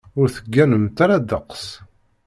Ur tegganemt ara ddeqs.